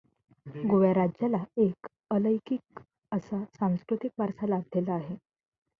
गोवा राज्याला एक अलौकिक असा सांस्कृतिक वारसा लाभलेला आहे.